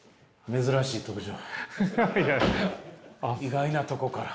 意外なとこから。